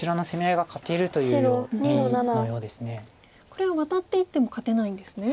これはワタっていっても勝てないんですね。